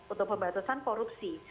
untuk pembatasan korupsi